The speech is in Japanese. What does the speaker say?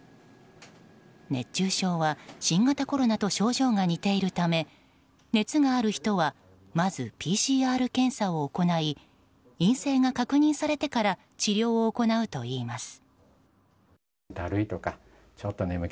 熱中症は新型コロナと症状が似ているため熱がある人はまずＰＣＲ検査を行い陰性が確認されてから治療を行うといいます。